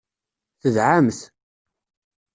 Tedɛamt.